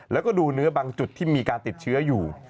แล้วก็ดูเนื้อบางจุดที่มีการติดเชื้ออยู่